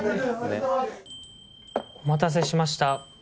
お待たせしました。